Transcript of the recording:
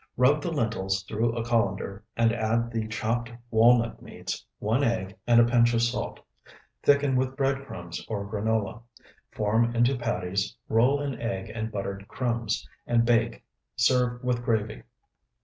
Rub the lentils through a colander and add the chopped walnut meats, one egg, and a pinch of salt. Thicken with bread crumbs or granola. Form into patties, roll in egg and buttered crumbs, and bake. Serve with gravy.